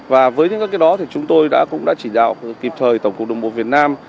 và với những các cái đó thì chúng tôi đã cũng đã chỉ đạo kịp thời tổng cục đồng bộ việt nam